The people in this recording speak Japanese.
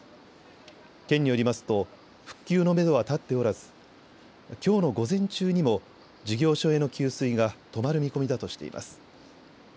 県によりますと復旧のめどは立っておらずきょうの午前中にも事業所への給水が止まる見込みだとしています。